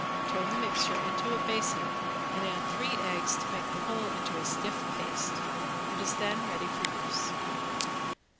Turn the mixture into a basin and add three eggs to make the whole into a stiff paste. It is then ready for use.